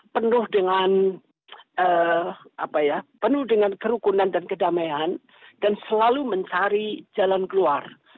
penuh dengan penuh dengan kerukunan dan kedamaian dan selalu mencari jalan keluar